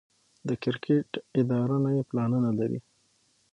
د کرکټ اداره نوي پلانونه لري.